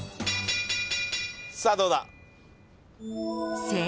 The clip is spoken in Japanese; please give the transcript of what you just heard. ・さあどうだ？